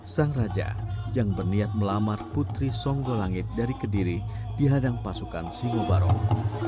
sang raja yang berniat melamar putri songgolangit dari kediri dihadang pasukan singo barong